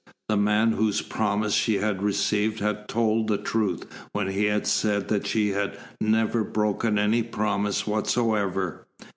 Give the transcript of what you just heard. The man whose promise she had received had told the truth when he had said that he had never broken any promise whatsoever.